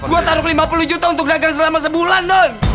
gue taruh lima puluh juta untuk dagang selama sebulan dong